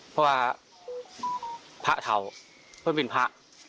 เพราะว่าพระเทาเพื่อนเป็นพระ